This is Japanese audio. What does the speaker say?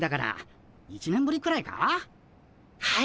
はい。